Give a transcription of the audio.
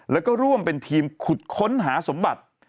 แล้วก็ร่วมเป็นทีมขุดค้นหาสมบัติ